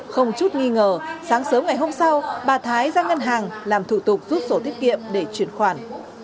không chút nghi ngờ sáng sớm ngày hôm sau bà thái ra ngân hàng làm thủ tục rút sổ tiết kiệm để chuyển khoản